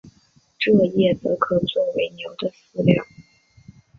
蔗叶则可做为牛的饲料。